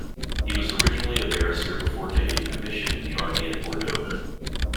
He was originally a barrister before taking a commission in the army at Bordeaux.